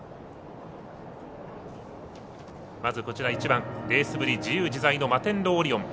１番レースぶり自由自在のマテンロウオリオン。